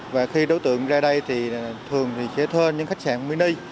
và khi đối tượng ra đây thì thường thì chơi thơ những khách sạn mini